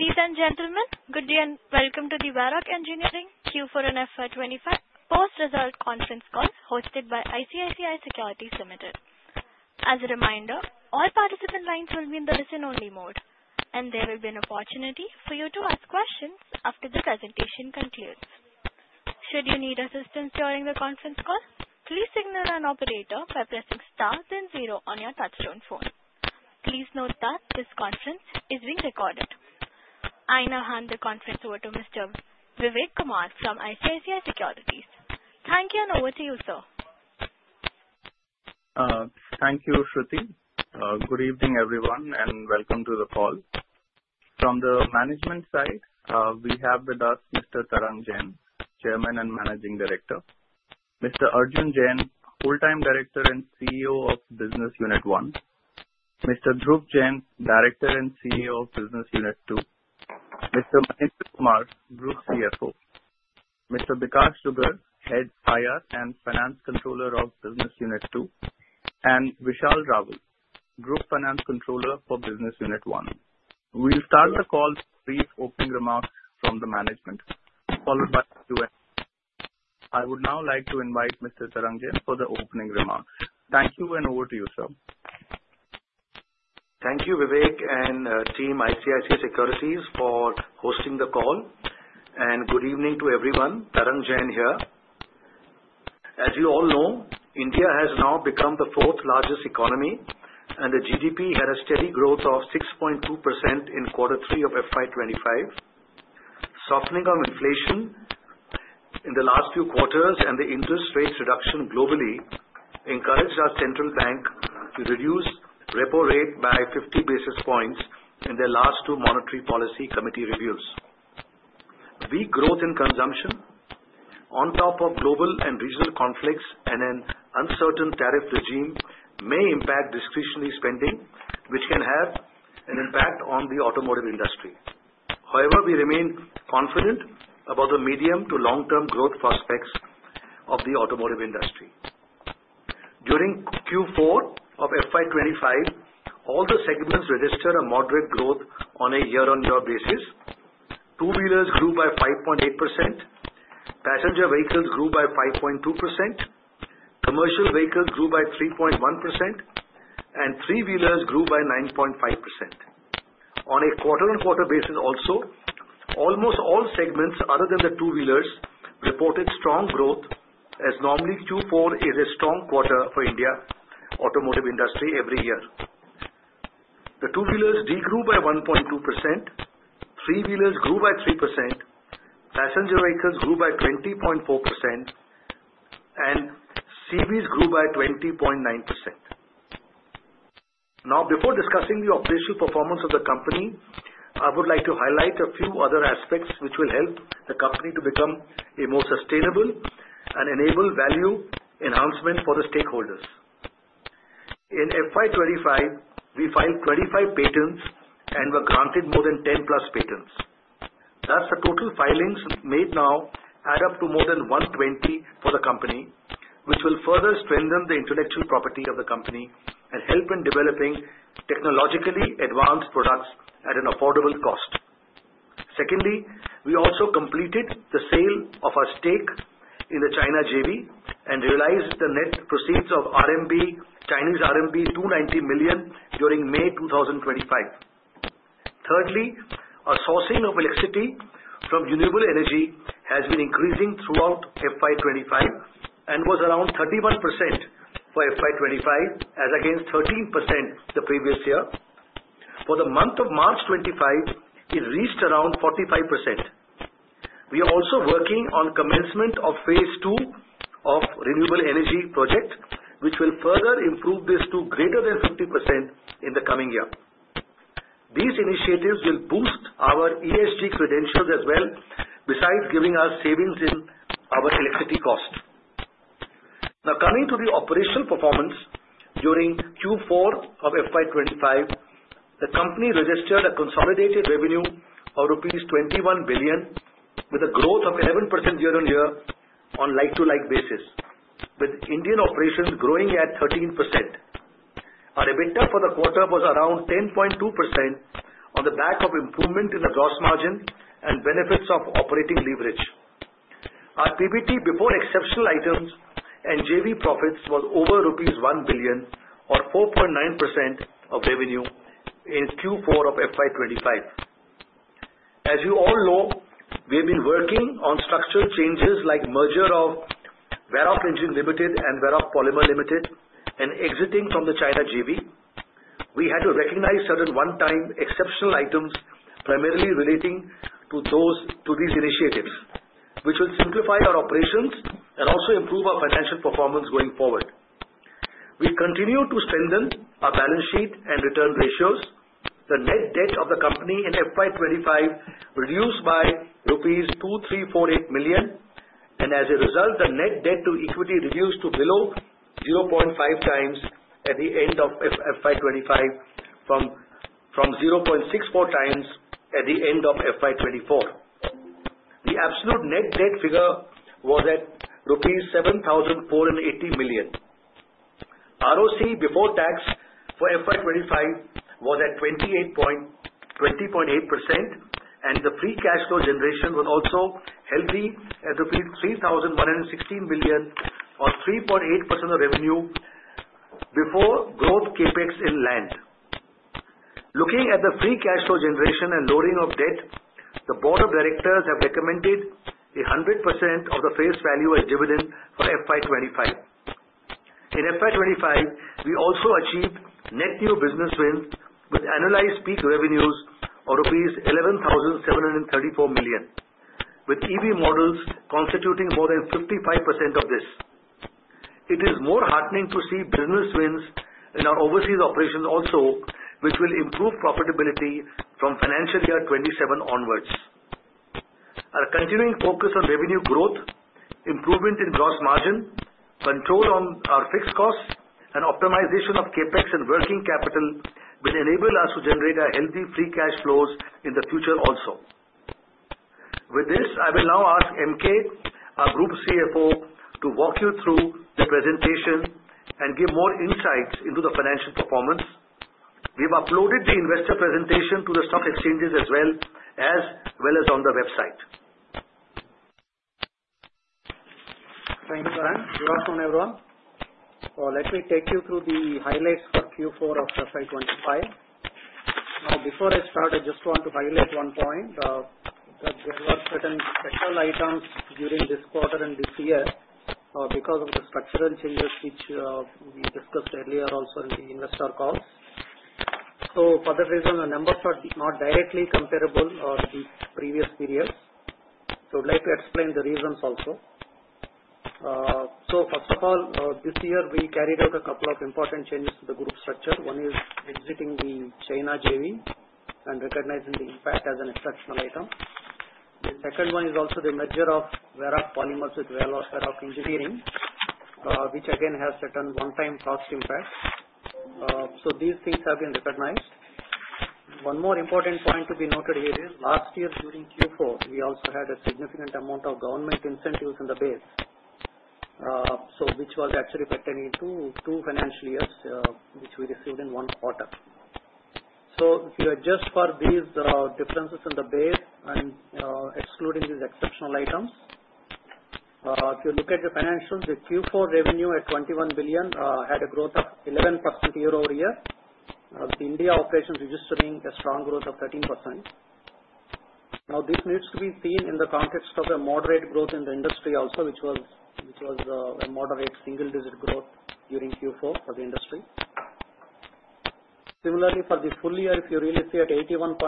Ladies and gentlemen, good day and welcome to the Varroc Engineering Q4 and FY 2025 post-result conference call hosted by ICICI Securities Limited. As a reminder, all participant lines will be in the listen-only mode, and there will be an opportunity for you to ask questions after the presentation concludes. Should you need assistance during the conference call, please signal an operator by pressing star and zero on your touchstone phone. Please note that this conference is being recorded. I now hand the conference over to Mr. Vivek Kumar from ICICI Securities. Thank you, and over to you, sir. Thank you, Shruti. Good evening, everyone, and welcome to the call. From the management side, we have with us Mr. Tarang Jain, Chairman and Managing Director; Mr. Arjun Jain, Full-Time Director and CEO of Business Unit One; Mr. Dhruv Jain, Director and CEO of Business Unit Two; Mr. Mahendra Kumar, Group CFO; Mr. Bikash Dugar, Head IR and Finance Controller of Business Unit Two; and Vishal Raval, Group Finance Controller for Business Unit One. We'll start the call with brief opening remarks from the management, followed by a few. I would now like to invite Mr. Tarang Jain for the opening remarks. Thank you, and over to you, sir. Thank you, Vivek and team ICICI Securities for hosting the call. Good evening to everyone. Tarang Jain here. As you all know, India has now become the fourth-largest economy, and the GDP had a steady growth of 6.2% in Q3 of FY 2025. Softening of inflation in the last few quarters and the interest rate reduction globally encouraged our central bank to reduce repo rate by 50 basis points in their last two Monetary Policy Committee reviews. Weak growth in consumption on top of global and regional conflicts and an uncertain tariff regime may impact discretionary spending, which can have an impact on the automotive industry. However, we remain confident about the medium to long-term growth prospects of the automotive industry. During Q4 of FY 2025, all the segments registered a moderate growth on a year-on-year basis. Two-wheelers grew by 5.8%, passenger vehicles grew by 5.2%, commercial vehicles grew by 3.1%, and three-wheelers grew by 9.5%. On a quarter-on-quarter basis also, almost all segments other than the two-wheelers reported strong growth, as normally Q4 is a strong quarter for India's automotive industry every year. The two-wheelers did grow by 1.2%, three-wheelers grew by 3%, passenger vehicles grew by 20.4%, and CVs grew by 20.9%. Now, before discussing the operational performance of the company, I would like to highlight a few other aspects which will help the company to become more sustainable and enable value enhancement for the stakeholders. In FY 2025, we filed 25 patents and were granted more than 10 patents. That is, the total filings made now add up to more than 120 for the company, which will further strengthen the intellectual property of the company and help in developing technologically advanced products at an affordable cost. Secondly, we also completed the sale of our stake in the China JV and realized the net proceeds of RMB 290 million during May 2025. Thirdly, our sourcing of electricity from renewable energy has been increasing throughout FY 2025 and was around 31% for FY 2025, as against 13% the previous year. For the month of March 2025, it reached around 45%. We are also working on commencement of phase two of the renewable energy project, which will further improve this to greater than 50% in the coming year. These initiatives will boost our ESG credentials as well, besides giving us savings in our electricity cost. Now, coming to the operational performance, during Q4 of FY 2025, the company registered a consolidated revenue of rupees 21 billion, with a growth of 11% year-on-year on a like-to-like basis, with Indian operations growing at 13%. Our EBITDA for the quarter was around 10.2% on the back of improvement in the gross margin and benefits of operating leverage. Our PBT before exceptional items and JV profits was over rupees 1 billion, or 4.9% of revenue in Q4 of FY 2025. As you all know, we have been working on structural changes like the merger of Varroc Engineering Limited and Varroc Polymer Limited and exiting from the China JV. We had to recognize certain one-time exceptional items primarily relating to these initiatives, which will simplify our operations and also improve our financial performance going forward. We continue to strengthen our balance sheet and return ratios. The net debt of the company in FY 2025 reduced by rupees 2,348 million, and as a result, the net debt to equity reduced to below 0.5x at the end of FY 2025 from 0.64x at the end of FY 2024. The absolute net debt figure was at rupees 7,480 million. ROC before tax for FY 2025 was at 28.8%, and the free cash flow generation was also healthy at rupees 3,116 million, or 3.8% of revenue before growth capex in land. Looking at the free cash flow generation and lowering of debt, the Board of Directors have recommended 100% of the face value as dividend for FY 2025. In FY 2025, we also achieved net new business wins with annualized peak revenues of rupees 11,734 million, with EV models constituting more than 55% of this. It is more heartening to see business wins in our overseas operations also, which will improve profitability from financial year 2027 onwards. Our continuing focus on revenue growth, improvement in gross margin, control on our fixed costs, and optimization of capex and working capital will enable us to generate healthy free cash flows in the future also. With this, I will now ask MK, our Group CFO, to walk you through the presentation and give more insights into the financial performance. We have uploaded the investor presentation to the stock exchanges as well as on the website. Thank you, Tarang. Good afternoon, everyone. Let me take you through the highlights for Q4 of FY 2025. Now, before I start, I just want to highlight one point that there were certain special items during this quarter and this year because of the structural changes which we discussed earlier also in the investor calls. For that reason, the numbers are not directly comparable to previous periods. I would like to explain the reasons also. First of all, this year, we carried out a couple of important changes to the group structure. One is exiting the China JV and recognizing the impact as an exceptional item. The second one is also the merger of Varroc Polymer with Varroc Engineering, which again has certain one-time cost impacts. These things have been recognized. One more important point to be noted here is last year, during Q4, we also had a significant amount of government incentives in the base, which was actually pertaining to two financial years, which we received in one quarter. If you adjust for these differences in the base and excluding these exceptional items, if you look at the financials, the Q4 revenue at 21 billion had a growth of 11% year-over-year, with India operations registering a strong growth of 13%. Now, this needs to be seen in the context of a moderate growth in the industry also, which was a moderate single-digit growth during Q4 for the industry. Similarly, for the full year, if you really see at 81.7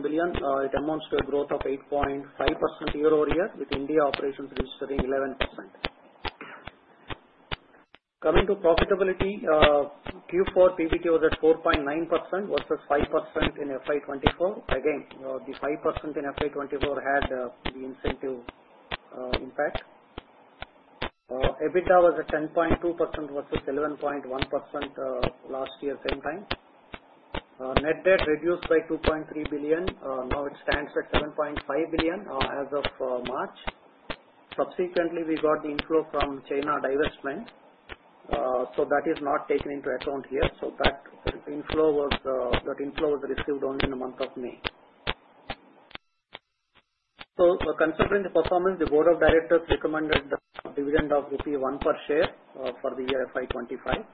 billion, it amounts to a growth of 8.5% year-over-year, with India operations registering 11%. Coming to profitability, Q4 PBT was at 4.9% versus 5% in FY 2024. Again, the 5% in FY2024 had the incentive impact. EBITDA was at 10.2% versus 11.1% last year same time. Net debt reduced by 2.3 billion. Now, it stands at 7.5 billion as of March. Subsequently, we got the inflow from China divestment, so that is not taken into account here. That inflow was received only in the month of May. Considering the performance, the Board of Directors recommended the dividend of rupee 1 per share for the year FY 2025.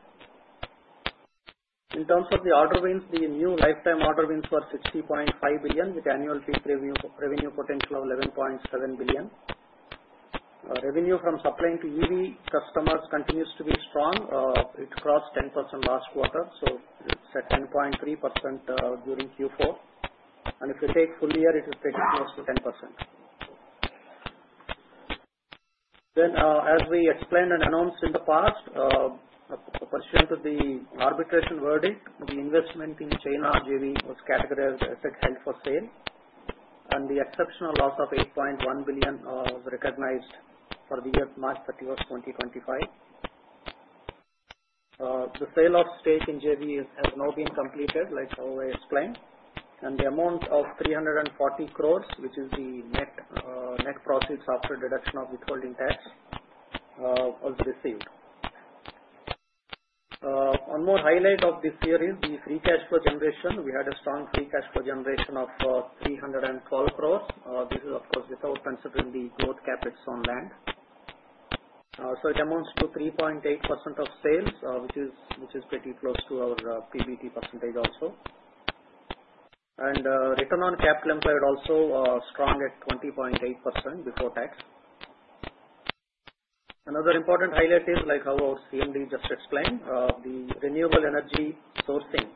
In terms of the order wins, the new lifetime order wins were 60.5 billion, with annual revenue potential of 11.7 billion. Revenue from supplying to EV customers continues to be strong. It crossed 10% last quarter, so it's at 10.3% during Q4. If you take full year, it is pretty close to 10%. As we explained and announced in the past, pursuant to the arbitration verdict, the investment in China JV was categorized as set held for sale, and the exceptional loss of 8.1 billion was recognized for the year March 31, 2025. The sale of stake in JV has now been completed, like I explained, and the amount of 340 crore, which is the net profits after deduction of withholding tax, was received. One more highlight of this year is the free cash flow generation. We had a strong free cash flow generation of 312 crore. This is, of course, without considering the growth capex on land. It amounts to 3.8% of sales, which is pretty close to our PBT percentage also. Return on capital employed also strong at 20.8% before tax. Another important highlight is, like how CMD just explained, the renewable energy sourcing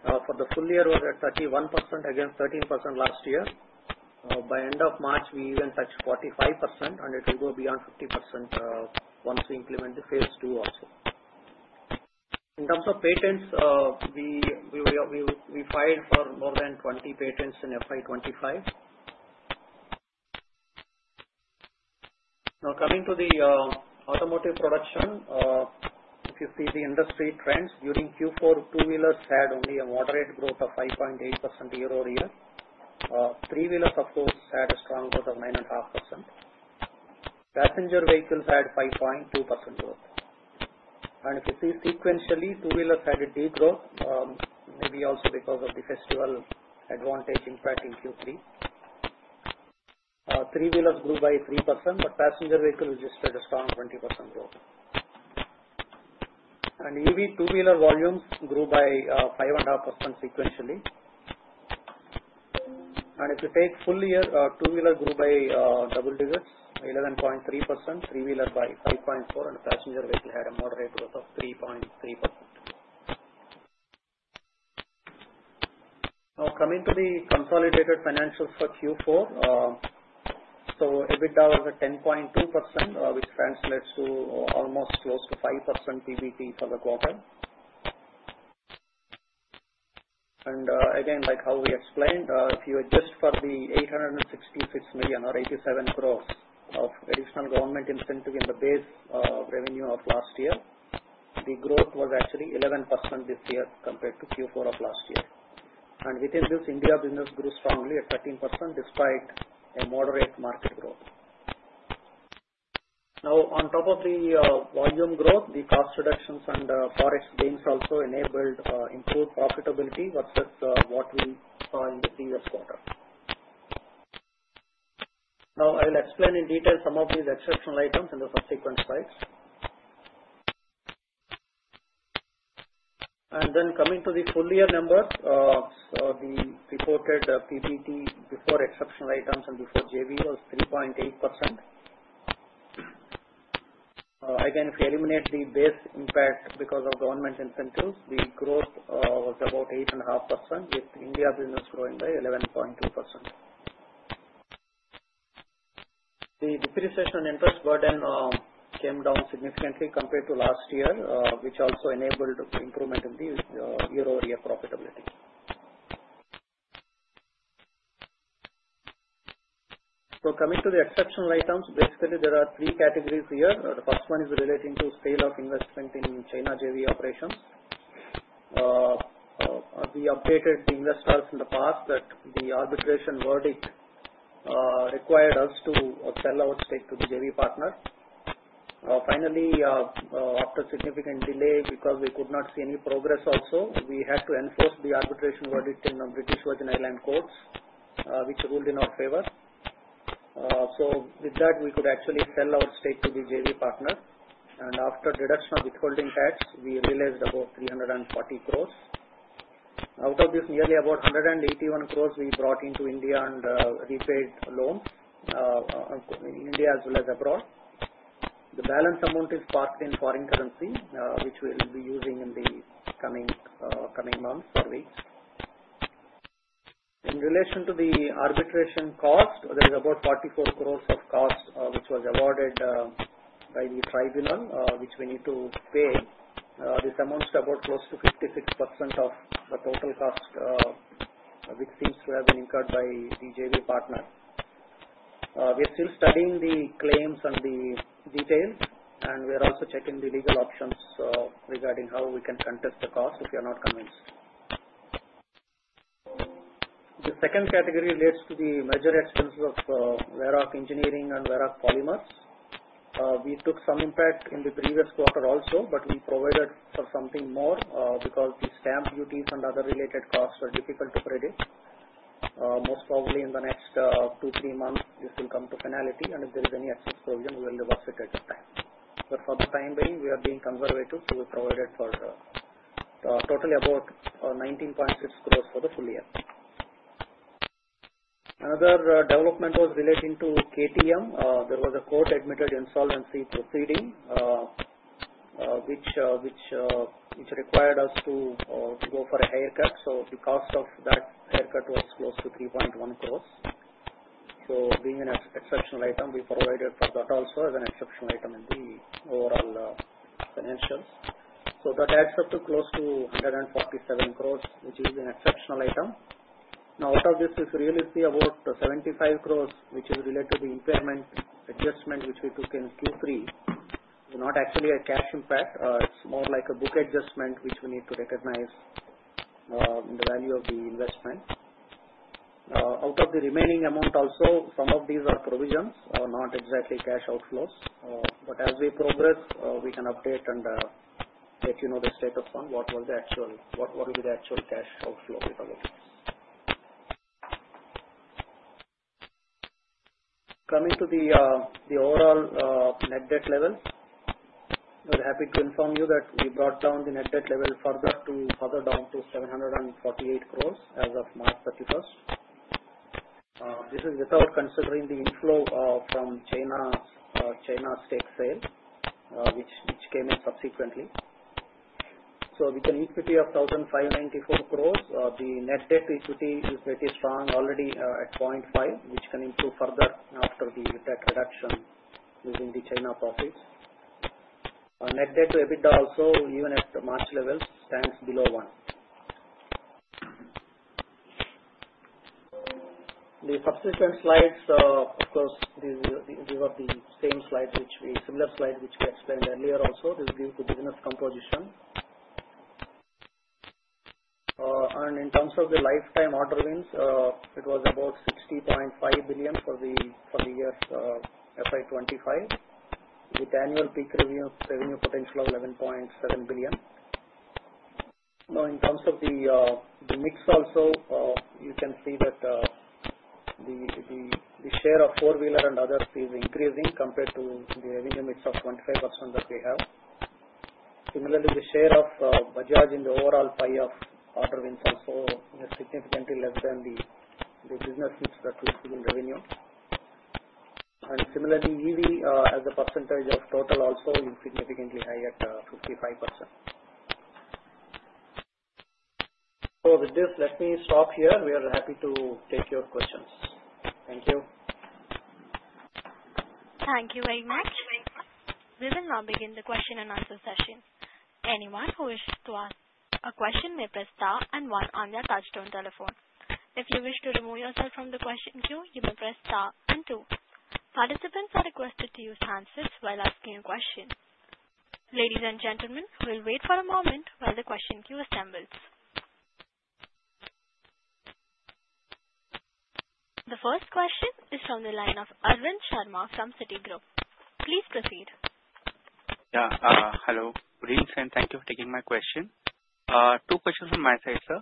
for the full year was at 31% against 13% last year. By end of March, we even touched 45%, and it will go beyond 50% once we implement the phase two also. In terms of patents, we filed for more than 20 patents in FY 2025. Now, coming to the automotive production, if you see the industry trends, during Q4, two-wheelers had only a moderate growth of 5.8% year-over-year. Three-wheelers, of course, had a strong growth of 9.5%. Passenger vehicles had 5.2% growth. If you see sequentially, two-wheelers had a degrowth, maybe also because of the festival advantage impact in Q3. Three-wheelers grew by 3%, but passenger vehicles registered a strong 20% growth. EV two-wheeler volumes grew by 5.5% sequentially. If you take full year, two-wheelers grew by double digits, 11.3%, three-wheelers by 5.4%, and passenger vehicles had a moderate growth of 3.3%. Now, coming to the consolidated financials for Q4, EBITDA was at 10.2%, which translates to almost close to 5% PBT for the quarter. Like how we explained, if you adjust for the 866 million or 87 crore of additional government incentive in the base revenue of last year, the growth was actually 11% this year compared to Q4 of last year. Within this, India business grew strongly at 13% despite a moderate market growth. On top of the volume growth, the cost reductions and forex gains also enabled improved profitability versus what we saw in the previous quarter. I will explain in detail some of these exceptional items in the subsequent slides. Then, coming to the full year numbers, the reported PBT before exceptional items and before JV was 3.8%. Again, if you eliminate the base impact because of government incentives, the growth was about 8.5%, with India business growing by 11.2%. The depreciation and interest burden came down significantly compared to last year, which also enabled improvement in the year-over-year profitability. Coming to the exceptional items, basically, there are three categories here. The first one is relating to sale of investment in China JV operations. We updated the investors in the past that the arbitration verdict required us to sell our stake to the JV partner. Finally, after significant delay, because we could not see any progress also, we had to enforce the arbitration verdict in the British Virgin Islands courts, which ruled in our favor. With that, we could actually sell our stake to the JV partner. After deduction of withholding tax, we realized about 340 crore. Out of this, nearly about 181 crore we brought into India and repaid loans in India as well as abroad. The balance amount is parked in foreign currency, which we will be using in the coming months or weeks. In relation to the arbitration cost, there is about 44 crore of cost, which was awarded by the tribunal, which we need to pay. This amounts to about close to 56% of the total cost, which seems to have been incurred by the JV partner. We are still studying the claims and the details, and we are also checking the legal options regarding how we can contest the cost if we are not convinced. The second category relates to the major expenses of Varroc Engineering and Varroc Polymer. We took some impact in the previous quarter also, but we provided for something more because the stamp duties and other related costs were difficult to predict. Most probably, in the next two to three months, this will come to finality, and if there is any excess provision, we will reverse it at that time. For the time being, we are being conservative, so we provided for totally about 19.6 crore for the full year. Another development was relating to KTM. There was a court-admitted insolvency proceeding, which required us to go for a haircut. The cost of that haircut was close to 3.1 crore. Being an exceptional item, we provided for that also as an exceptional item in the overall financials. That adds up to close to 147 crore, which is an exceptional item. Now, out of this, if you really see about 750 crore, which is related to the impairment adjustment, which we took in Q3, is not actually a cash impact. It's more like a book adjustment, which we need to recognize the value of the investment. Out of the remaining amount also, some of these are provisions, not exactly cash outflows. As we progress, we can update and let you know the status on what will be the actual cash outflow with our books. Coming to the overall net debt level, we're happy to inform you that we brought down the net debt level further down to 7.48 billion as of March 31. This is without considering the inflow from China stake sale, which came in subsequently. With an equity of 1,594 crore, the net debt equity is pretty strong already at 0.5, which can improve further after the debt reduction using the China proceeds. Net debt to EBITDA also, eve n at the March levels, stands below one. The subsequent slides, of course, these are the same slides, similar slides which we explained earlier also. This gives the business composition. In terms of the lifetime order wins, it was about 60.5 billion for the year FY 2025, with annual peak revenue potential of 11.7 billion. In terms of the mix also, you can see that the share of four-wheeler and others is increasing compared to the revenue mix of 25% that we have. Similarly, the share of Bajaj in the overall pie of order wins also is significantly less than the business mix that we have in revenue. Similarly, EV as a percentage of total also is significantly high at 55%. With this, let me stop here. We are happy to take your questions. Thank you. Thank you very much. We will now begin the question and answer session. Anyone who wishes to ask a question may press star and one on their touchstone telephone. If you wish to remove yourself from the question queue, you may press star and two. Participants are requested to use handsets while asking a question. Ladies and gentlemen, we'll wait for a moment while the question queue assembles. The first question is from the line of Ajay Sharma from Citigroup. Please proceed. Yeah, hello. Really thank you for taking my question. Two questions from my side, sir.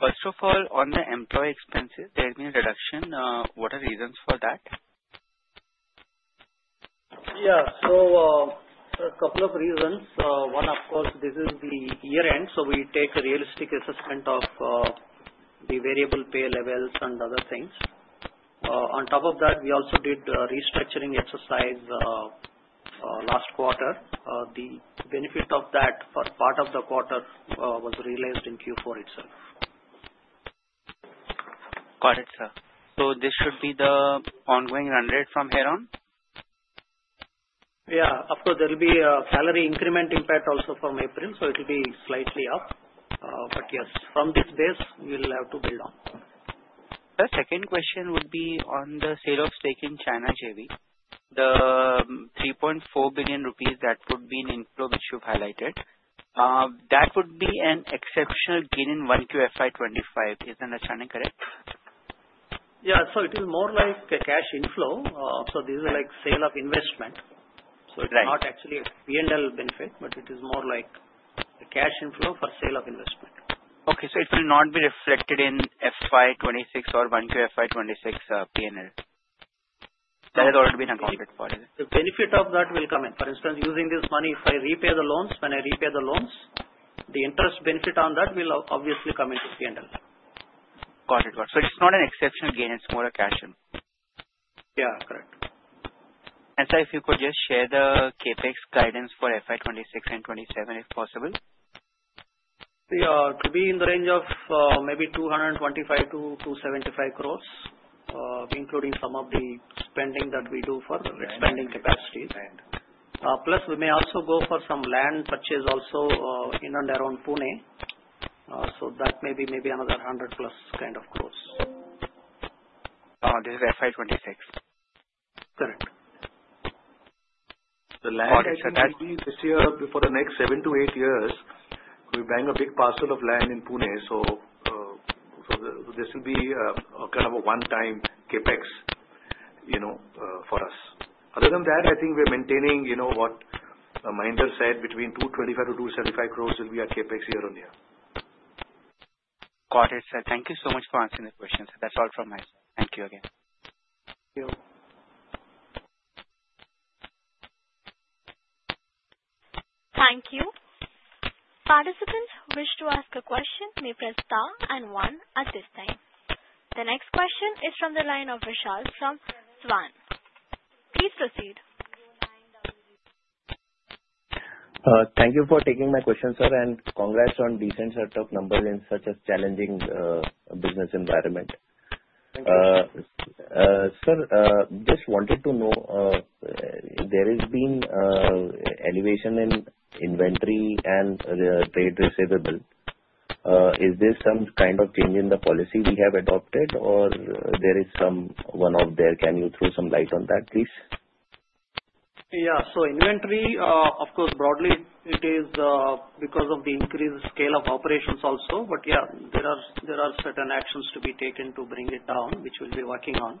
First of all, on the employee expenses, there has been a reduction. What are the reasons for that? Yeah, so a couple of reasons. One, of course, this is the year-end, so we take a realistic assessment of the variable pay levels and other things. On top of that, we also did a restructuring exercise last quarter. The benefit of that for part of the quarter was realized in Q4 itself. Got it, sir. This should be the ongoing run rate from here on? Yeah, of course, there will be a salary increment impact also from April, so it will be slightly up. Yes, from this base, we will have to build on. The second question would be on the sale of stake in China JV. The 3.4 billion rupees that would be an inflow which you have highlighted, that would be an exceptional gain in one Q1 FY 2025. Isn't that, Channing, correct? Yeah, it is more like a cash inflow. This is like sale of investment. It is not actually a P&L benefit, but it is more like a cash inflow for sale of investment. Okay, it will not be reflected in FY 2026 or Q1 FY 2026 P&L. That has already been accounted for, is it? The benefit of that will come in. For instance, using this money, if I repay the loans, when I repay the loans, the interest benefit on that will obviously come into P&L. Got it, got it. It is not an exceptional gain. It is more a cash inflow. Yeah, correct. Sir, if you could just share the CapEx guidance for FY 2026 and 2027, if possible. Yeah, it could be in the range of 225 crore-275 crore, including some of the spending that we do for expanding capacity. Plus, we may also go for some land purchase also in and around Pune. That may be maybe another 100 crore plus kind of gross. This is FY 2026. Correct. The land is set at. This year, before the next seven to eight years, we bang a big parcel of land in Pune. This will be kind of a one-time CapEx for us. Other than that, I think we're maintaining what Mahendra said, between 225 crore-275 crore will be our CapEx year on year. Got it, sir. Thank you so much for answering the questions. That's all from my side. Thank you again. Thank you. Participants who wish to ask a question may press star and one at this time. The next question is from the line of Vishal from Swan. Please proceed. Thank you for taking my question, sir, and congrats on decent set of numbers in such a challenging business environment. Thank you. Sir, just wanted to know, there has been an elevation in inventory and trade receivable. Is this some kind of change in the policy we have adopted, or there is some one-off there? Can you throw some light on that, please? Yeah, so inventory, of course, broadly, it is because of the increased scale of operations also. But yeah, there are certain actions to be taken to bring it down, which we'll be working on.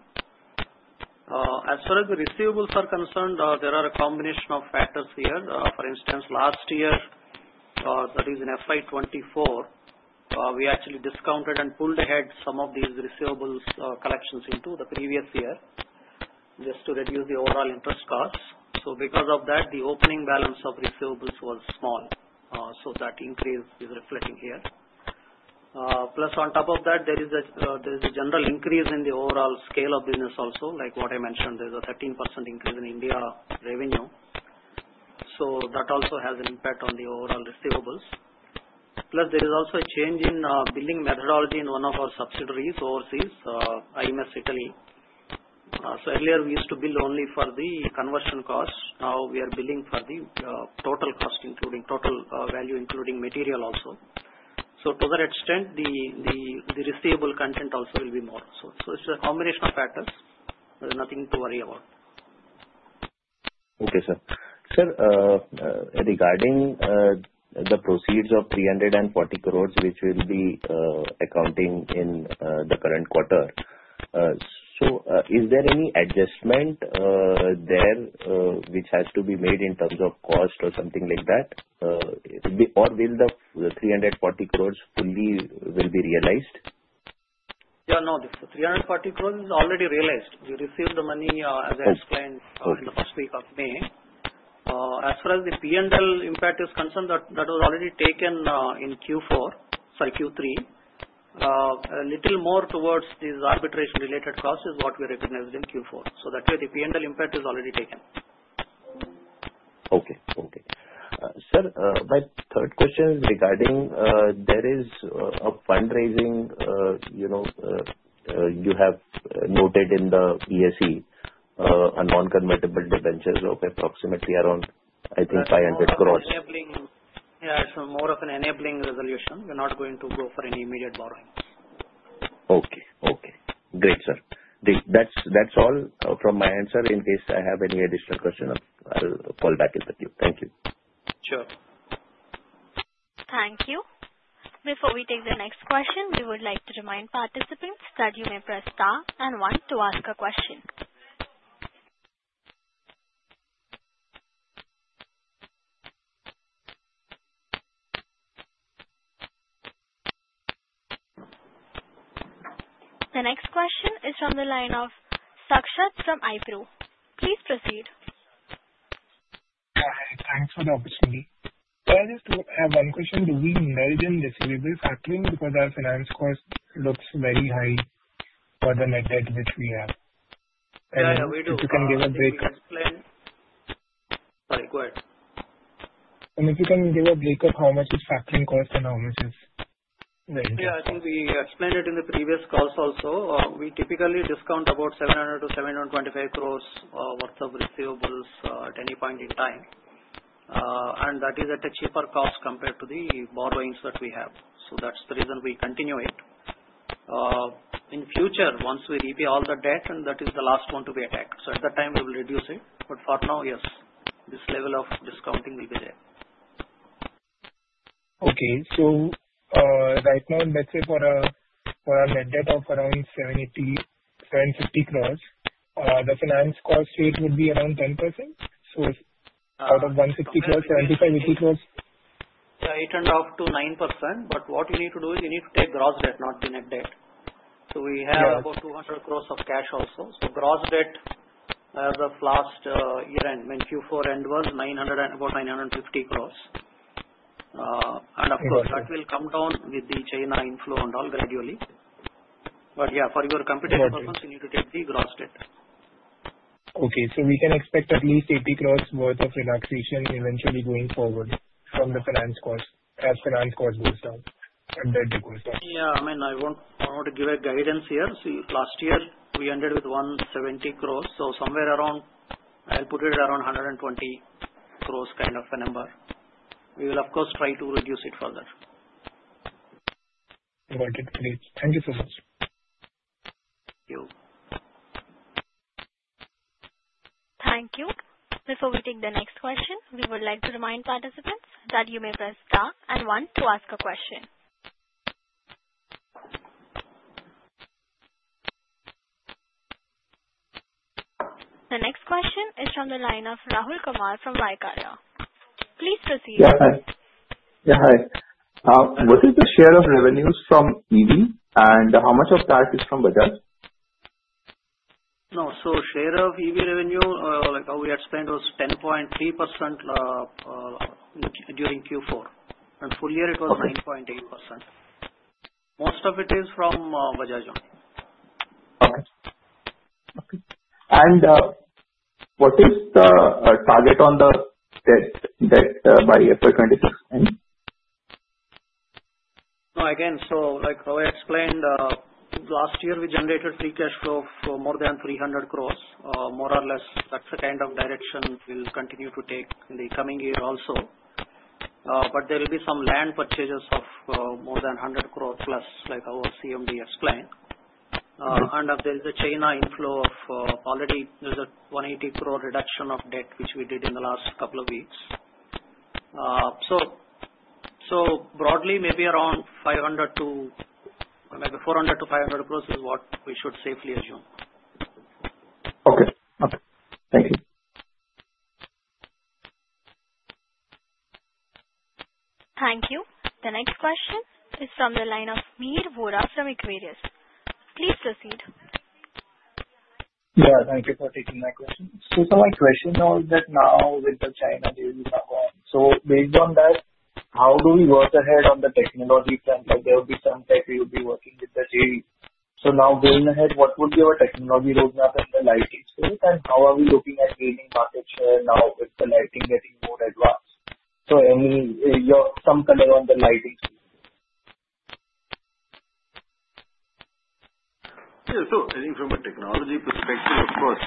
As far as the receivables are concerned, there are a combination of factors here. For instance, last year, that is in FY 2024, we actually discounted and pulled ahead some of these receivables collections into the previous year just to reduce the overall interest costs. Because of that, the opening balance of receivables was small. That increase is reflecting here. Plus, on top of that, there is a general increase in the overall scale of business also. Like what I mentioned, there is a 13% increase in India revenue. That also has an impact on the overall receivables. Plus, there is also a change in billing methodology in one of our subsidiaries overseas, IMS Italy. Earlier, we used to bill only for the conversion cost. Now we are billing for the total cost, including total value, including material also. To that extent, the receivable content also will be more. It is a combination of factors. There is nothing to worry about. Okay, sir. Sir, regarding the proceeds of 340 crore, which we will be accounting in the current quarter, is there any adjustment there which has to be made in terms of cost or something like that? Or will the 340 crore fully be realized? Yeah, no, the 340 crore is already realized. We received the money, as I explained, in the first week of May. As far as the P&L impact is concerned, that was already taken in Q4, sorry, Q3. A little more towards these arbitration-related costs is what we recognized in Q4. That way, the P&L impact is already taken. Okay, okay. Sir, my third question is regarding there is a fundraising you have noted in the ESE, a non-convertible debenture of approximately around, I think, 500 crore. Yeah, it is more of an enabling resolution. We are not going to go for any immediate borrowing. Okay, okay. Great, sir. That is all from my answer. In case I have any additional question, I will call back in a few. Thank you. Sure. Thank you. Before we take the next question, we would like to remind participants that you may press star and one to ask a question. The next question is from the line of Saksha from IPRU. Please proceed. Thanks for the opportunity. I just have one question. Do we merge in receivables factoring because our finance cost looks very high for the net debt which we have? Yeah, we do. If you can give a breakup. Sorry, go ahead. If you can give a breakup, how much is factoring cost and how much is merging? Yeah, I think we explained it in the previous calls also. We typically discount about 700 crore-725 crore worth of receivables at any point in time. That is at a cheaper cost compared to the borrowings that we have. That is the reason we continue it. In future, once we repay all the debt, and that is the last one to be attacked. At that time, we will reduce it. For now, yes, this level of discounting will be there. Okay, right now, let's say for our net debt of around 750 crore, the finance cost here would be around 10%. Out of 160 crore, 75-80 crore? Yeah, it turned out to 9%. What you need to do is you need to take gross debt, not the net debt. We have about 200 crore of cash also. Gross debt as of last year-end, when Q4 end was about 950 crore. Of course, that will come down with the China inflow and all gradually. For your computation purpose, you need to take the gross debt. Okay, so we can expect at least 80 crore worth of relaxation eventually going forward from the finance cost as finance cost goes down and debt goes down. Yeah, I mean, I want to give a guidance here. Last year, we ended with 170 crore. So somewhere around, I'll put it around 120 crore kind of a number. We will, of course, try to reduce it further. Got it. Great. Thank you so much. Thank you. Thank you. Before we take the next question, we would like to remind participants that you may press star and one to ask a question. The next question is from the line of Rahul Kumar from Vaikarya. Please proceed. Yeah, hi. Yeah, hi. What is the share of revenues from EV and how much of that is from Bajaj? No, so share of EV revenue, like how we had spent, was 10.3% during Q4. Full year, it was 9.8%. Most of it is from Bajaj only. Okay. Okay. What is the target on the debt by FY 2026? No, again, like I explained, last year, we generated free cash flow for more than 3.00 crore, more or less. That is the kind of direction we will continue to take in the coming year also. There will be some land purchases of more than 1.00 crore plus, like our CMD explained. There is a China inflow of already 1.80 crore reduction of debt which we did in the last couple of weeks. Broadly, maybe around 4.00-5.00 crore is what we should safely assume. Okay, okay. Thank you. Thank you. The next question is from the line of Meer Vora from Aquarius. Please proceed. Yeah, thank you for taking my question. So some of my questions are that now with the China deal is now on. Based on that, how do we work ahead on the technology front? There will be some tech we will be working with the deal. Now going ahead, what will be our technology roadmap in the lighting space? How are we looking at gaining market share now with the lighting getting more advanced? Any some color on the lighting space. Yeah, I think from a technology perspective, of course,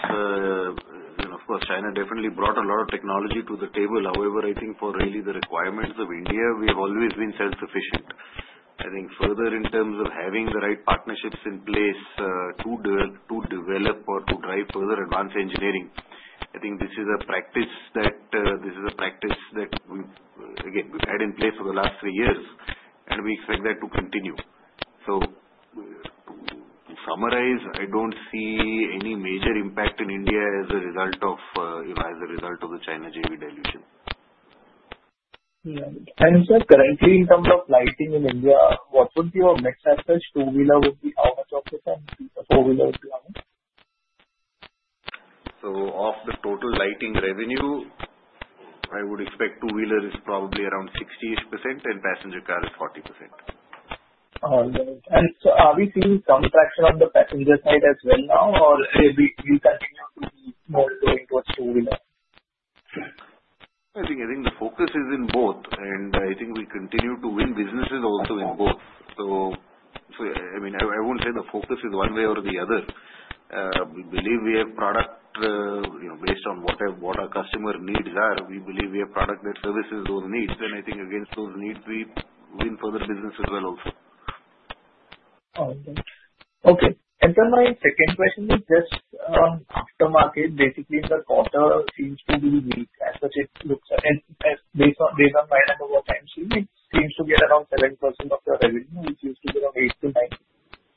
China definitely brought a lot of technology to the table. However, I think for really the requirements of India, we have always been self-sufficient. I think further in terms of having the right partnerships in place to develop or to drive further advanced engineering, I think this is a practice that, again, we've had in place for the last three years, and we expect that to continue. To summarize, I don't see any major impact in India as a result of the China JV dilution. Sir, currently in terms of lighting in India, what would be your max average two-wheeler would be how much of this and four-wheeler would be how much? Of the total lighting revenue, I would expect two-wheeler is probably around 60% and passenger car is 40%. Are we seeing some traction on the passenger side as well now, or will we continue to be more going towards two-wheeler? I think the focus is in both. And I think we continue to win businesses also in both. I mean, I won't say the focus is one way or the other. We believe we have product based on what our customer needs are. We believe we have product that services those needs. And I think against those needs, we win further business as well also. Okay. Okay. And then my second question is just aftermarket, basically in the quarter seems to be weak as such it looks like. And based on my number of times seen, it seems to get around 7% of the revenue, which used to be around 8-9,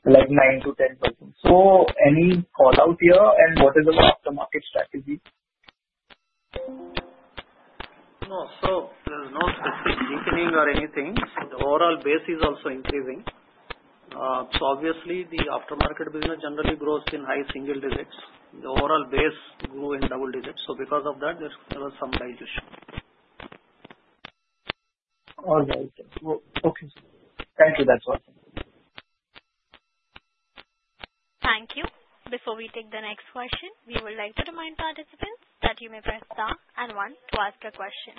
like 9-10%. So any callout here and what is our aftermarket strategy? No, so there's no specific deepening or anything. The overall base is also increasing. Obviously, the aftermarket business generally grows in high single digits. The overall base grew in double digits. Because of that, there was some dilution. All right. Okay. Thank you. That is all. Thank you. Before we take the next question, we would like to remind participants that you may press star and one to ask a question.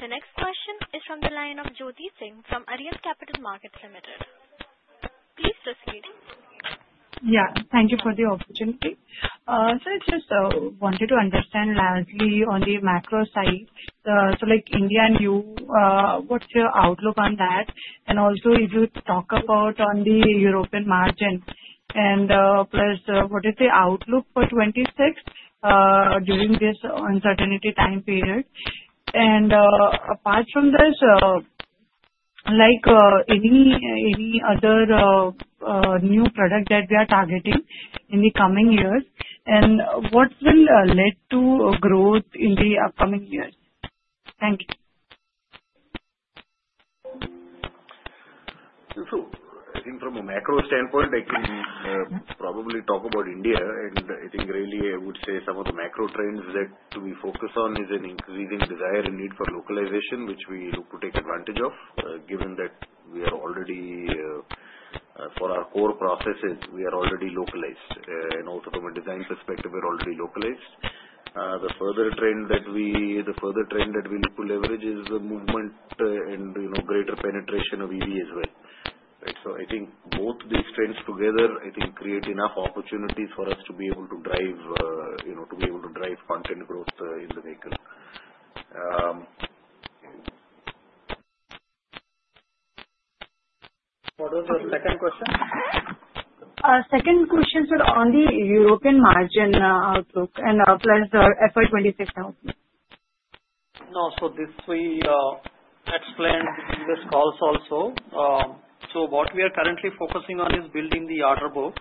The next question is from the line of Jyoti Singh from Arian Capital Markets Limited. Please proceed. Yeah. Thank you for the opportunity. I just wanted to understand largely on the macro side. Like India and you, what is your outlook on that? Also, if you talk about the European margin, plus what is the outlook for 2026 during this uncertainty time period? Apart from this, like any other new product that we are targeting in the coming years, and what will lead to growth in the upcoming years? Thank you. I think from a macro standpoint, I can probably talk about India. I think really I would say some of the macro trends that we focus on is an increasing desire and need for localization, which we look to take advantage of, given that we are already for our core processes, we are already localized. Also from a design perspective, we're already localized. The further trend that we look to leverage is the movement and greater penetration of EV as well. I think both these trends together, I think, create enough opportunities for us to be able to drive content growth in the vehicle. What was the second question? Second question, sir, on the European margin outlook and plus FY 2026 outlook. No, this we explained in this call also. What we are currently focusing on is building the order book.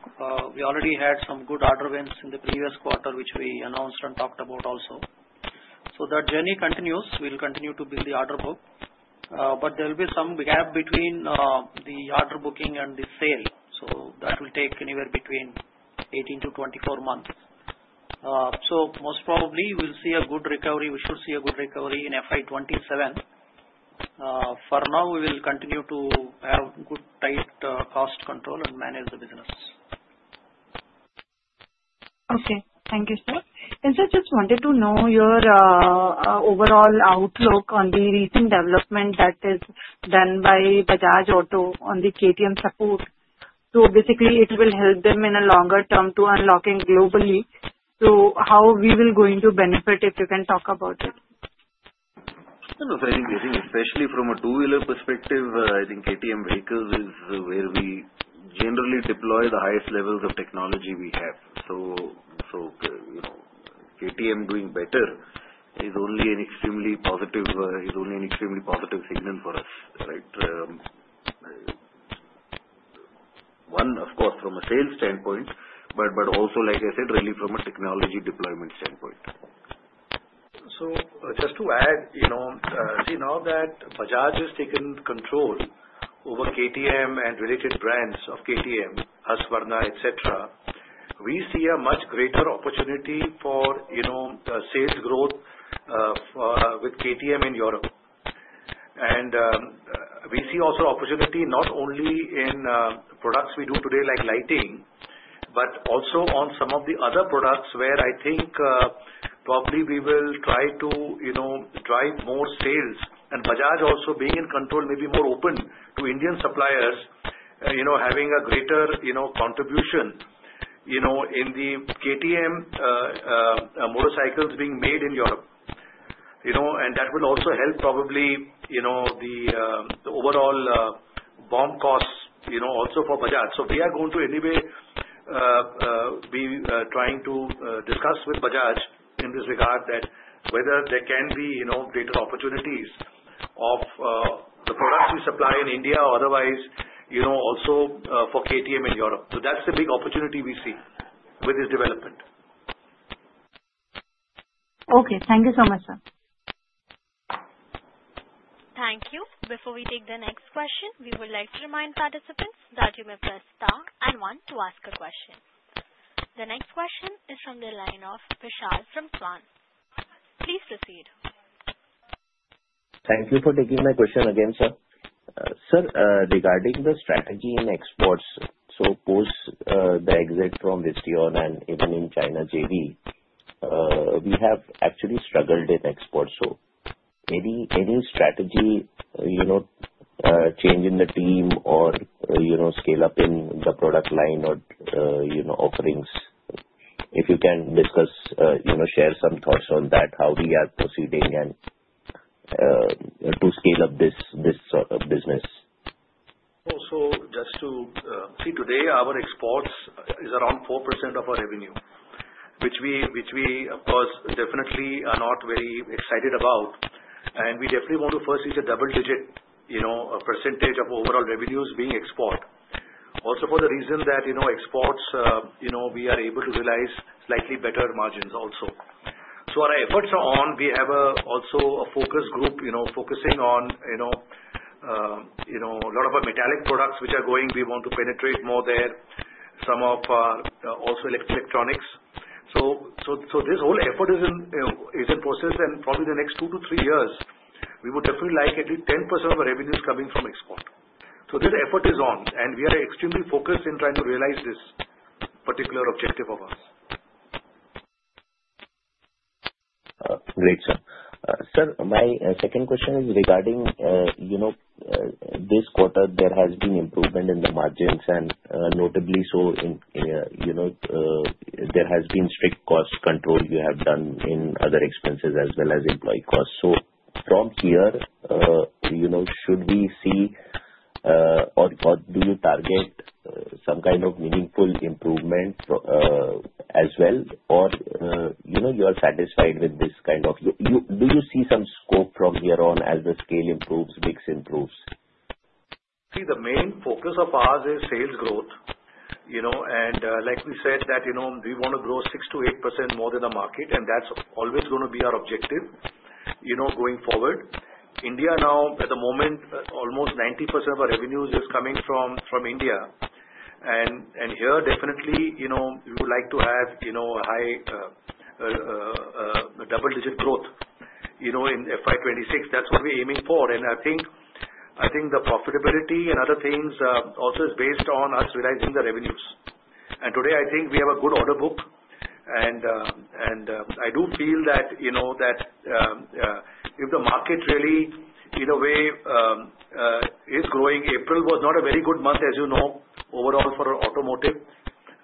We already had some good order wins in the previous quarter, which we announced and talked about also. That journey continues. We'll continue to build the order book. There will be some gap between the order booking and the sale. That will take anywhere between 18-24 months. Most probably, we'll see a good recovery. We should see a good recovery in FY 2027. For now, we will continue to have good tight cost control and manage the business. Okay. Thank you, sir. Sir, just wanted to know your overall outlook on the recent development that is done by Bajaj Auto on the KTM support. Basically, it will help them in a longer term to unlock globally. How we will going to benefit if you can talk about it? No, sir, I think especially from a two-wheeler perspective, I think KTM vehicles is where we generally deploy the highest levels of technology we have. KTM doing better is only an extremely positive signal for us, right? One, of course, from a sales standpoint, but also, like I said, really from a technology deployment standpoint. Just to add, now that Bajaj has taken control over KTM and related brands of KTM, Husqvarna, etc., we see a much greater opportunity for sales growth with KTM in Europe. We see also opportunity not only in products we do today like lighting, but also on some of the other products where I think probably we will try to drive more sales. Bajaj also being in control may be more open to Indian suppliers having a greater contribution in the KTM motorcycles being made in Europe. That will also help probably the overall BOM cost also for Bajaj. We are going to anyway be trying to discuss with Bajaj in this regard, whether there can be greater opportunities of the products we supply in India or otherwise also for KTM in Europe. That is the big opportunity we see with this development. Okay. Thank you so much, sir. Thank you. Before we take the next question, we would like to remind participants that you may press star and one to ask a question. The next question is from the line of Vishal Raval from Klan. Please proceed. Thank you for taking my question again, sir. Sir, regarding the strategy in exports, post the exit from Visteon and even in China JV, we have actually struggled in exports. Any strategy change in the team or scale up in the product line or offerings? If you can discuss, share some thoughts on that, how we are proceeding and to scale up this business. Also, just to see today, our exports is around 4% of our revenue, which we, of course, definitely are not very excited about. We definitely want to first reach a double-digit percentage of overall revenues being export. Also for the reason that exports, we are able to realize slightly better margins also. Our efforts are on. We have also a focus group focusing on a lot of our metallic products which are going. We want to penetrate more there, some of also electronics. This whole effort is in process. Probably the next two to three years, we would definitely like at least 10% of our revenues coming from export. This effort is on. We are extremely focused in trying to realize this particular objective of ours. Great, sir. Sir, my second question is regarding this quarter, there has been improvement in the margins and notably so there has been strict cost control you have done in other expenses as well as employee costs. From here, should we see or do you target some kind of meaningful improvement as well? Or you are satisfied with this kind of do you see some scope from here on as the scale improves, BICS improves? See, the main focus of ours is sales growth. Like we said, we want to grow 6-8% more than the market. That is always going to be our objective going forward. India now, at the moment, almost 90% of our revenues is coming from India. Here, definitely, we would like to have high double-digit growth in FY 2026. That is what we are aiming for. I think the profitability and other things also is based on us realizing the revenues. Today, I think we have a good order book. I do feel that if the market really in a way is growing, April was not a very good month, as you know, overall for automotive.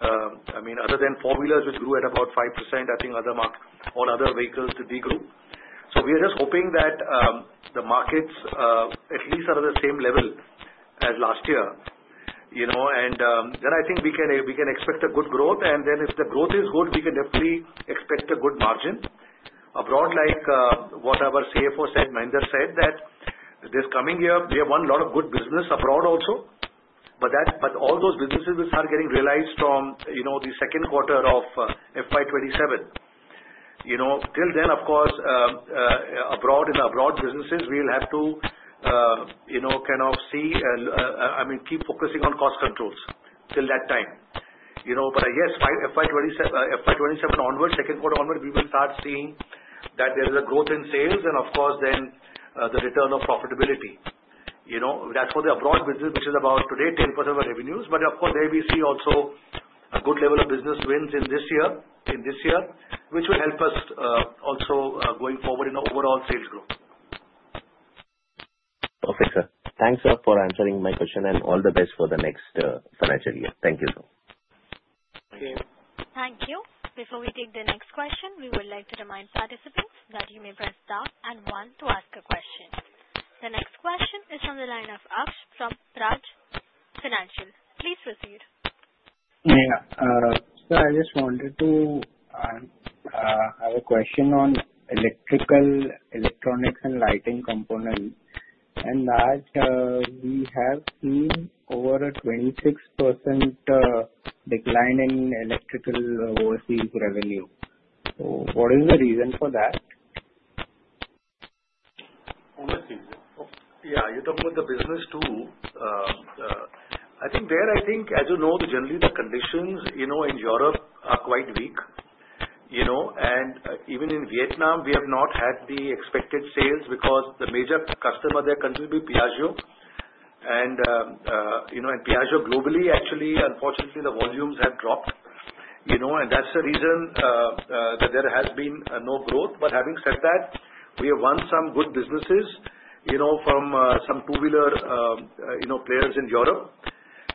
I mean, other than four-wheelers which grew at about 5%, I think all other vehicles did growth. We are just hoping that the markets at least are at the same level as last year. I think we can expect a good growth. If the growth is good, we can definitely expect a good margin. Abroad, like what our CFO said, Mahendra said that this coming year, we have won a lot of good business abroad also. All those businesses will start getting realized from the second quarter of FY 2027. Till then, of course, in the abroad businesses, we will have to kind of see, I mean, keep focusing on cost controls till that time. Yes, FY 2027 onward, second quarter onward, we will start seeing that there is a growth in sales. Of course, then the return of profitability. That is for the abroad business, which is about today 10% of our revenues. But of course, there we see also a good level of business wins in this year, which will help us also going forward in overall sales growth. Perfect, sir. Thanks, sir, for answering my question. And all the best for the next financial year. Thank you, sir. Thank you. Before we take the next question, we would like to remind participants that you may press star and one to ask a question. The next question is from the line of Aksh from Raj Financial. Please proceed. Yeah. Sir, I just wanted to have a question on electrical, electronics, and lighting components. And that we have seen over a 26% decline in electrical overseas revenue. What is the reason for that? Yeah. You're talking about the business two. I think there, I think, as you know, generally the conditions in Europe are quite weak. Even in Vietnam, we have not had the expected sales because the major customer there continues to be Piaggio. Piaggio globally, actually, unfortunately, the volumes have dropped. That is the reason that there has been no growth. Having said that, we have won some good businesses from some two-wheeler players in Europe.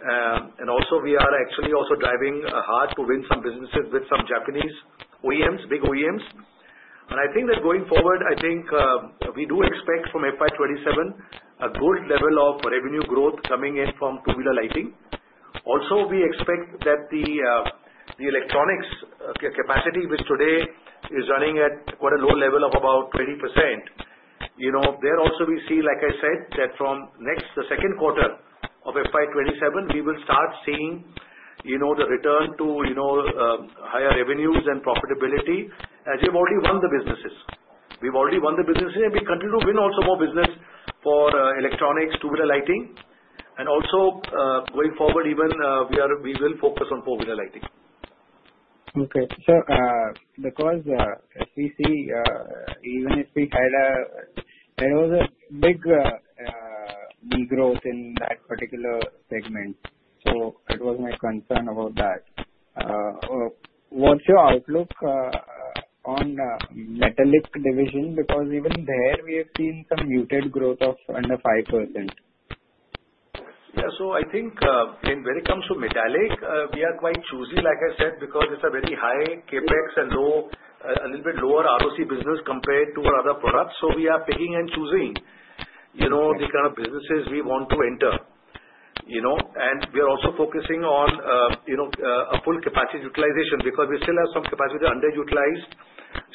We are actually also driving hard to win some businesses with some Japanese OEMs, big OEMs. I think that going forward, I think we do expect from FY 2027 a good level of revenue growth coming in from two-wheeler lighting. Also, we expect that the electronics capacity, which today is running at quite a low level of about 20%. There also, we see, like I said, that from the second quarter of FY 2027, we will start seeing the return to higher revenues and profitability as we have already won the businesses. We've already won the businesses. We continue to win also more business for electronics, two-wheeler lighting. Also, going forward, even we will focus on four-wheeler lighting. Okay. Sir, because we see even if we had a, there was a big growth in that particular segment. It was my concern about that. What's your outlook on metallic division? Because even there, we have seen some muted growth of under 5%. Yeah. I think when it comes to metallic, we are quite choosy, like I said, because it's a very high CapEx and a little bit lower ROC business compared to our other products. We are picking and choosing the kind of businesses we want to enter. We are also focusing on a full capacity utilization because we still have some capacity underutilized.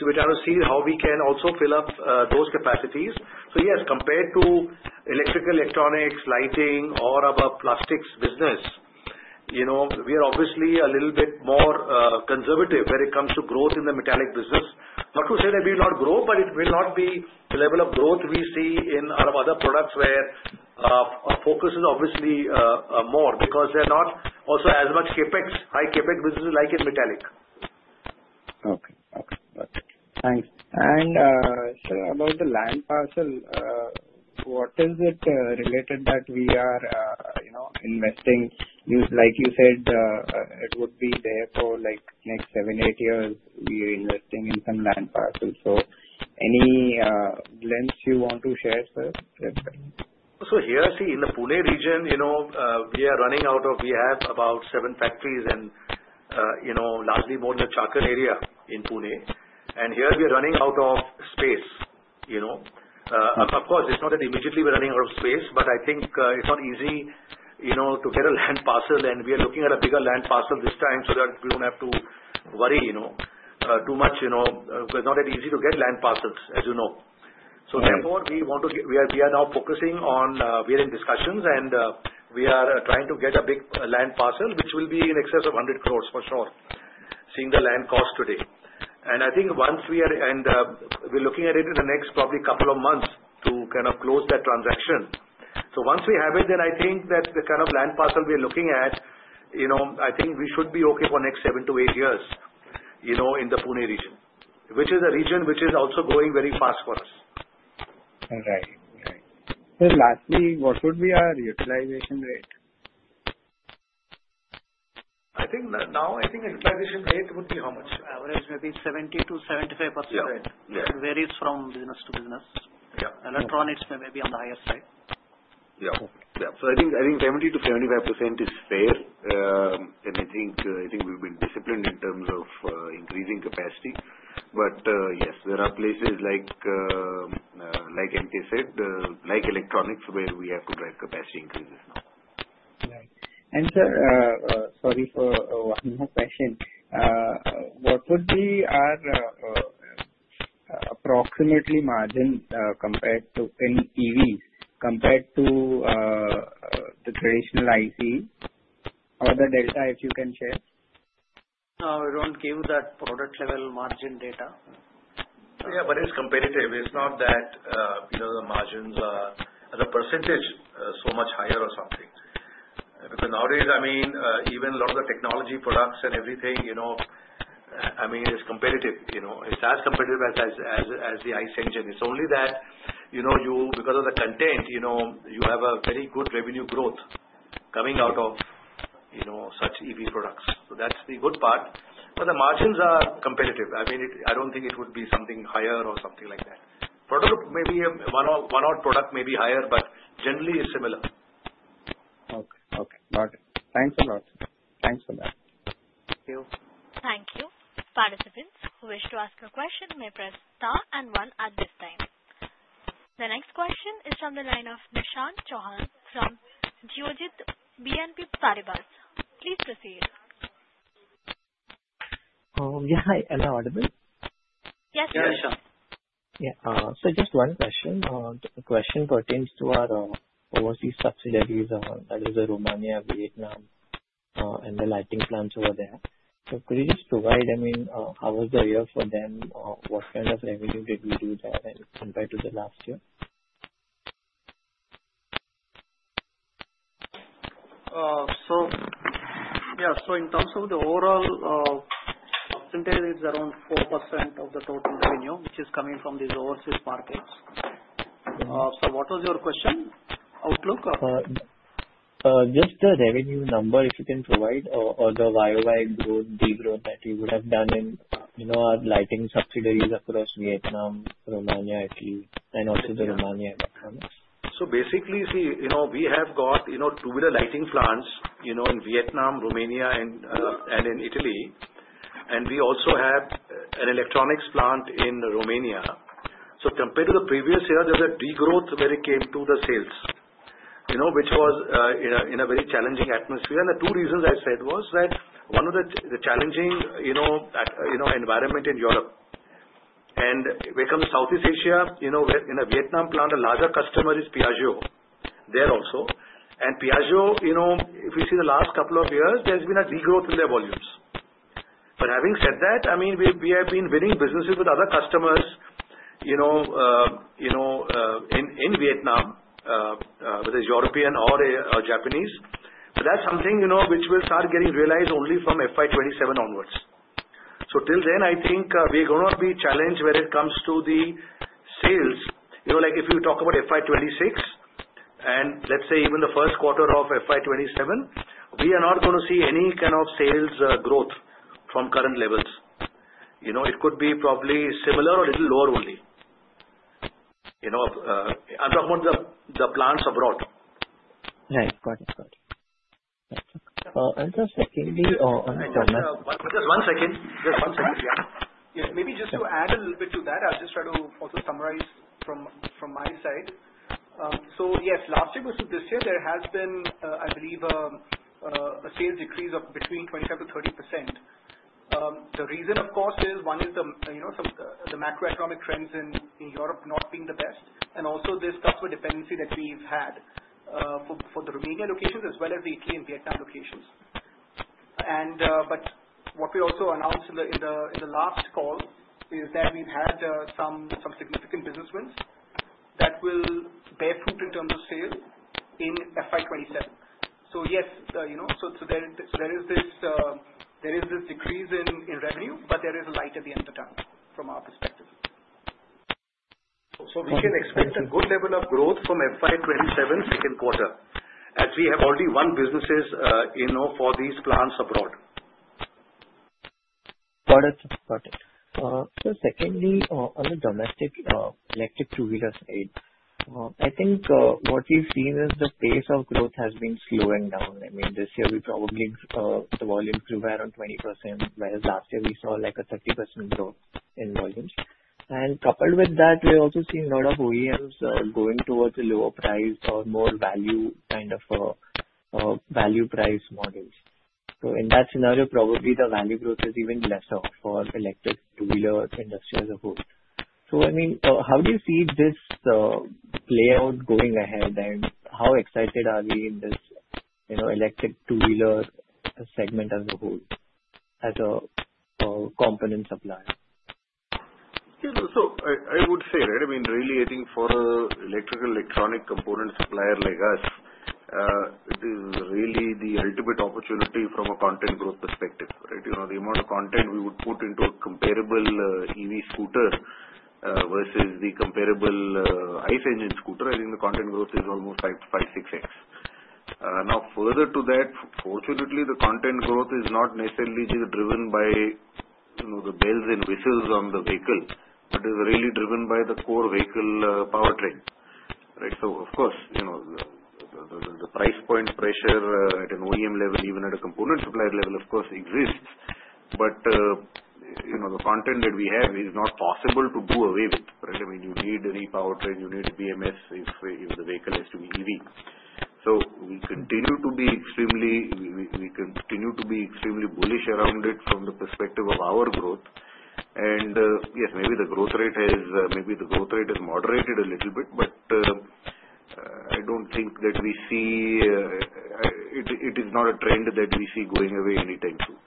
We're trying to see how we can also fill up those capacities. Yes, compared to electrical, electronics, lighting, or our plastics business, we are obviously a little bit more conservative when it comes to growth in the metallic business. Not to say that we will not grow, but it will not be the level of growth we see in our other products where our focus is obviously more because they are not also as much CapEx, high CapEx businesses like in metallic. Okay. Okay. Got it. Thanks. Sir, about the land parcel, what is it related that we are investing? Like you said, it would be there for the next seven, eight years. We are investing in some land parcel. Any glimpse you want to share, sir? Here, see, in the Pune region, we are running out of, we have about seven factories and largely more in the Chakan area in Pune. Here, we are running out of space. Of course, it's not that immediately we're running out of space, but I think it's not easy to get a land parcel. We are looking at a bigger land parcel this time so that we don't have to worry too much because it's not that easy to get land parcels, as you know. Therefore, we are now focusing on, we are in discussions, and we are trying to get a big land parcel, which will be in excess of 100 crore for sure, seeing the land cost today. I think once we are, and we're looking at it in the next probably couple of months to kind of close that transaction. Once we have it, then I think that the kind of land parcel we are looking at, I think we should be okay for the next seven to eight years in the Pune region, which is a region which is also growing very fast for us. Right. Right. Sir, lastly, what would be our utilization rate? Now, I think utilization rate would be how much? Average maybe 70-75%. It varies from business to business. Electronics may be on the higher side. Yeah. Yeah. I think 70-75% is fair. I think we have been disciplined in terms of increasing capacity. Yes, there are places like NKZ, like electronics, where we have to drive capacity increases now. Right. Sir, sorry for one more question. What would be our approximately margin compared to in EVs compared to the traditional ICE or the delta, if you can share? We do not give that product-level margin data. Yeah. But it is competitive. It is not that the margins or the percentage is so much higher or something. Because nowadays, I mean, even a lot of the technology products and everything, I mean, it is competitive. It is as competitive as the ICE engine. It is only that because of the content, you have a very good revenue growth coming out of such EV products. That is the good part. But the margins are competitive. I mean, I do not think it would be something higher or something like that. Maybe one-odd product may be higher, but generally, it is similar. Okay. Okay. Got it. Thanks a lot. Thanks for that. Thank you. Thank you. Participants who wish to ask a question may press star and one at this time. The next question is from the line of Vishal Chauhan from Jyojit BNP Paribas. Please proceed. Yeah. Hello. Audible? Yes, sir. Yeah, Vishal. Yeah. So just one question. The question pertains to our overseas subsidiaries, that is the Romania, Vietnam, and the lighting plants over there. So could you just provide, I mean, how was the year for them? What kind of revenue did we do there compared to the last year? Yeah. In terms of the overall percentage, it's around 4% of the total revenue, which is coming from these overseas markets. What was your question? Outlook? Just the revenue number, if you can provide, or the YOY growth, degrowth that you would have done in our lighting subsidiaries across Vietnam, Romania, Italy, and also the Romania electronics. Basically, see, we have got two-wheeler lighting plants in Vietnam, Romania, and in Italy. We also have an electronics plant in Romania. Compared to the previous year, there was a degrowth when it came to the sales, which was in a very challenging atmosphere. The two reasons I said were that one is the challenging environment in Europe. When it comes to Southeast Asia, in a Vietnam plant, a larger customer is Piaggio there also. Piaggio, if you see the last couple of years, there has been a degrowth in their volumes. Having said that, I mean, we have been winning businesses with other customers in Vietnam, whether it is European or Japanese. That is something which will start getting realized only from FY 2027 onwards. Till then, I think we are going to be challenged when it comes to the sales. If you talk about FY 2026 and let's say even the first quarter of FY27, we are not going to see any kind of sales growth from current levels. It could be probably similar or a little lower only. I'm talking about the plants abroad. Right. Got it. Got it. And sir, secondly or just one more? Just one second. Just one second. Yeah. Yeah. Maybe just to add a little bit to that, I'll just try to also summarize from my side. Yes, last year versus this year, there has been, I believe, a sales decrease of between 25-30%. The reason, of course, is one is the macroeconomic trends in Europe not being the best, and also this customer dependency that we've had for the Romania locations as well as the Italy and Vietnam locations. What we also announced in the last call is that we've had some significant business wins that will bear fruit in terms of sales in FY 2027. Yes, there is this decrease in revenue, but there is a light at the end of the tunnel from our perspective. We can expect a good level of growth from FY 2027 second quarter, as we have already won businesses for these plants abroad. Got it. Got it. Secondly, on the domestic electric two-wheeler side, I think what we've seen is the pace of growth has been slowing down. I mean, this year, probably the volume grew by around 20%, whereas last year, we saw like a 30% growth in volumes. Coupled with that, we're also seeing a lot of OEMs going towards a lower price or more value kind of value-price models. In that scenario, probably the value growth is even lesser for electric two-wheeler industry as a whole. I mean, how do you see this play out going ahead, and how excited are we in this electric two-wheeler segment as a whole as a component supplier? I would say, right, I mean, really, I think for an electrical, electronic component supplier like us, it is really the ultimate opportunity from a content growth perspective, right? The amount of content we would put into a comparable EV scooter versus the comparable ICE engine scooter, I think the content growth is almost 5-6x. Now, further to that, fortunately, the content growth is not necessarily driven by the bells and whistles on the vehicle, but is really driven by the core vehicle powertrain, right? Of course, the price point pressure at an OEM level, even at a component supplier level, exists. The content that we have is not possible to do away with, right? I mean, you need any powertrain, you need a BMS if the vehicle has to be EV. We continue to be extremely bullish around it from the perspective of our growth. Yes, maybe the growth rate has moderated a little bit, but I do not think that we see it is not a trend that we see going away anytime soon.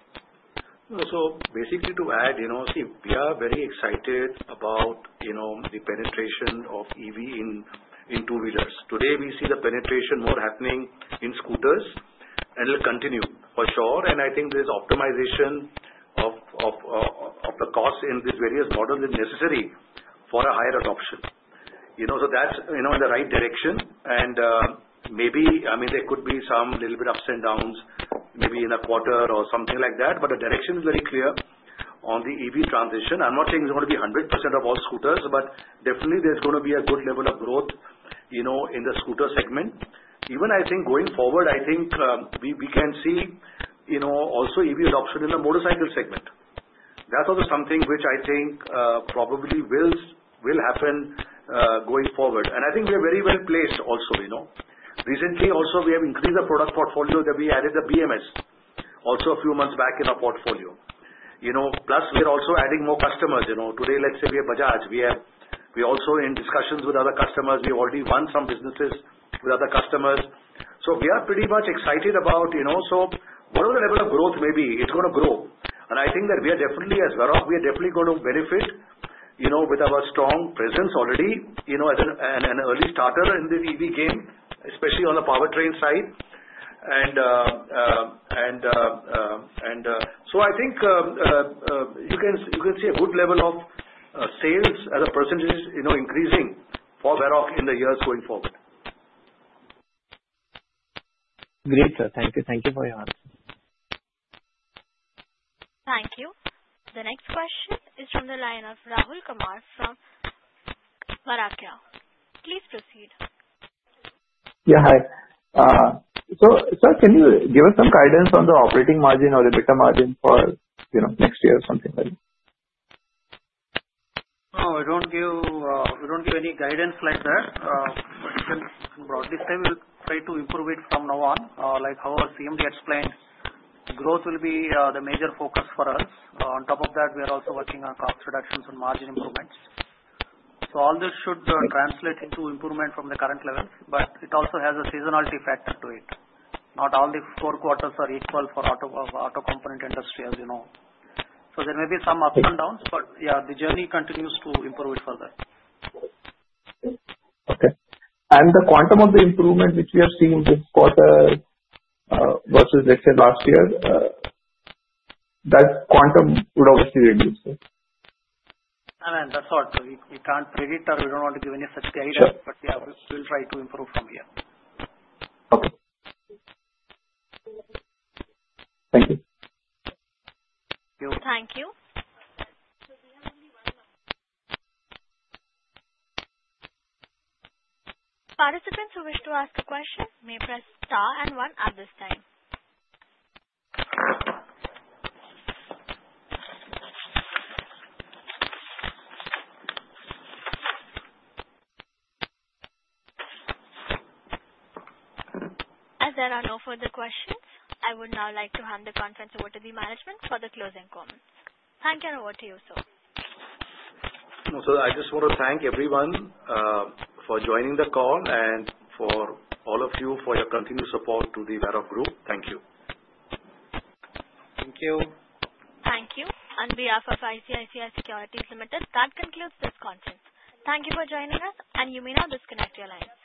Basically, to add, we are very excited about the penetration of EV in two-wheelers. Today, we see the penetration more happening in scooters, and it will continue for sure. I think this optimization of the cost in these various models is necessary for a higher adoption. That is in the right direction. Maybe, I mean, there could be some little bit ups and downs, maybe in a quarter or something like that. The direction is very clear on the EV transition. I'm not saying it's going to be 100% of all scooters, but definitely, there is going to be a good level of growth in the scooter segment. Even I think going forward, I think we can see also EV adoption in the motorcycle segment. That is also something which I think probably will happen going forward. I think we are very well placed also. Recently, also, we have increased the product portfolio that we added the BMS also a few months back in our portfolio. Plus, we are also adding more customers. Today, let's say we have Bajaj. We are also in discussions with other customers. We have already won some businesses with other customers. We are pretty much excited about, so whatever the level of growth may be, it's going to grow. I think that we are definitely, as Varroc, we are definitely going to benefit with our strong presence already as an early starter in the EV game, especially on the powertrain side. I think you can see a good level of sales as a percentage increasing for Varroc in the years going forward. Great, sir. Thank you. Thank you for your answer. Thank you. The next question is from the line of Rahul Kumar from Vaikarya. Please proceed. Yeah. Hi. So sir, can you give us some guidance on the operating margin or EBITDA margin for next year or something like that? No, we do not give any guidance like that. You can broadly say we will try to improve it from now on. Like how our CMD explained, growth will be the major focus for us. On top of that, we are also working on cost reductions and margin improvements. All this should translate into improvement from the current levels, but it also has a seasonality factor to it. Not all the four quarters are equal for the auto component industry, as you know. There may be some ups and downs, but yeah, the journey continues to improve it further. Okay. The quantum of the improvement which we are seeing in this quarter versus, let's say, last year, that quantum would obviously reduce, right? I mean, that is all. We cannot predict or we do not want to give any such guidance, but yeah, we will try to improve from here. Okay. Thank you. Thank you. Participants who wish to ask a question may press star and one at this time. As there are no further questions, I would now like to hand the conference over to the management for the closing comments. Thank you and over to you, sir. I just want to thank everyone for joining the call and for all of you for your continued support to the Varroc Group. Thank you. Thank you. Thank you. On behalf of ICICI Securities Limited, that concludes this conference. Thank you for joining us, and you may now disconnect your lines.